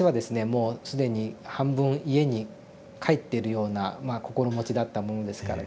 もう既に半分家に帰ってるようなまあ心持ちだったものですからですね